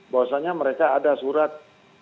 bahwasannya mereka ada surat